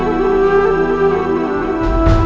ibu bunda disini nak